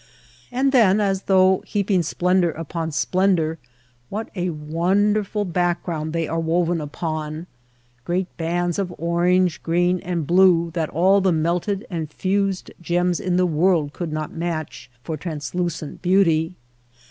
And then, as though heaping splendor upon splendor, what a wonderful background they are woven upon ! Great bands of orange, green, and blue that all the melted and fused gems in the world could not match for translucent beauty.